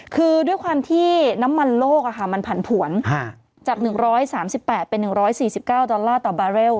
คือด้วยความที่น้ำมันโลกมันผันผวนจาก๑๓๘เป็น๑๔๙ดอลลาร์ต่อบาร์เรล